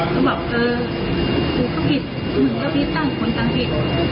กูบอกเออกูก็ผิดมึงก็ผิดตั้งแต่คนตามผิด